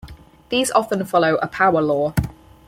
These often follow a power law.